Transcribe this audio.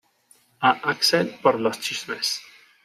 A Axel por los chismes.